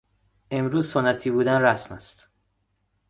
امروزه سنتی بودن رسم است.